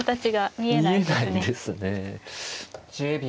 見えないですね。